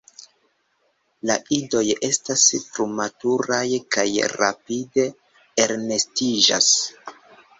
La idoj estas frumaturaj kaj rapide elnestiĝas.